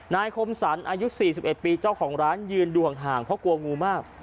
คมสรรอายุ๔๑ปีเจ้าของร้านยืนดวงห่างเพราะกลัวงูมาก